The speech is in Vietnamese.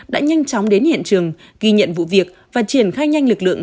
đã nhanh chóng đến hiện trường ghi nhận vụ việc và triển khai nhanh lực lượng